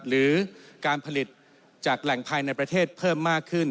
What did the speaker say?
หรือการผลิตจากแหล่งภายในประเทศเพิ่มมากขึ้น